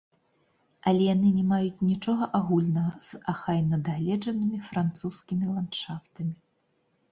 Але яны не маюць нічога агульнага з ахайна-дагледжанымі французскімі ландшафтамі.